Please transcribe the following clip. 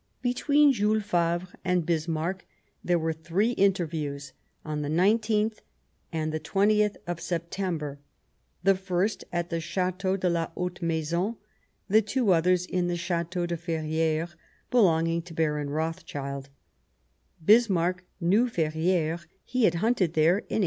■^, Between Jules Favre and Bismiarck there were \^ three interviews, on the igth and the 20th of September ; the first at the Chateau de la Haute Maison, the two others in the Chateau de Ferrieres, belonging to Baron Rothschild, Bismarck knew Ferrieres ; he had hunted there in 1865.